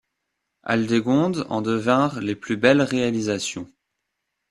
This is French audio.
Aldegonde en devinrent les plus belles réalisations.